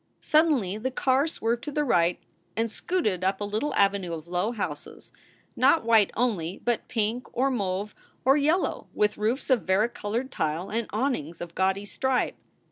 Suddenly the car swerved to the right and scooted up a little avenue of low houses, not white only, but pink or mauve or yellow, with roofs of varicolored tile and awnings of gaudy stripe.